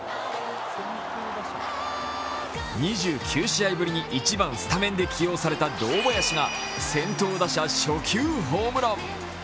２９試合ぶりに１番・スタメンで起用された堂林が先頭打者初球ホームラン。